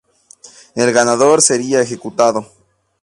El "ganador" sería ejecutado.